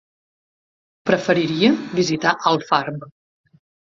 Preferiria visitar Alfarb.